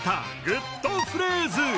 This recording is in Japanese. グッとフレーズ